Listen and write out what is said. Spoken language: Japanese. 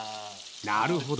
なるほど。